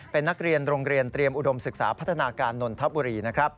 เป็นนักเรียนโรงเรียนเตรียมอุดมศึกษาพัฒนาการนนทบุรี